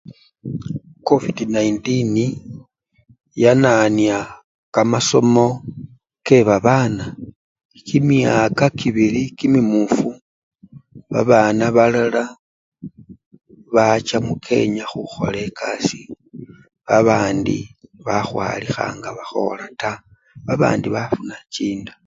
Covid-19 yanyanya kamasomo kebabana kimyaka kibili kimimufu, babana balala bacha mukenya khukhola ekasii, babandi bakhwalikha nga bakholataa, babandi bafuna chinda.